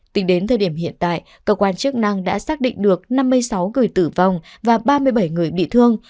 tính đến thời điểm hiện tại cơ quan chức năng đã xác định được năm mươi sáu người tử vong và ba mươi bảy người bị thương